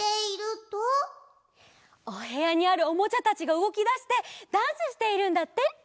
おへやにあるおもちゃたちがうごきだしてダンスしているんだって！